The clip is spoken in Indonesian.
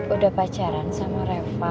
udah pacaran sama reva